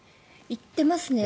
行ってますね。